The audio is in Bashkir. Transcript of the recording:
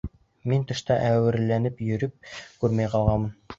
Мин тышта әүерәләнеп йөрөп, күрмәй ҡалғанмын.